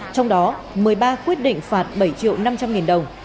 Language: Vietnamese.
trong đó một mươi ba quyết định phạt bảy triệu năm trăm linh nghìn đồng